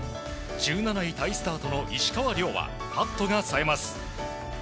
１７位タイスタートの石川遼はパットがさえます。